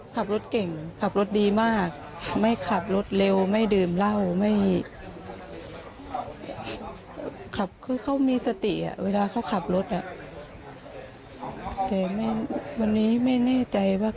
ไม่ได้ทำงานเมื่อวานเขาก็พักผ่อนทั้งวัน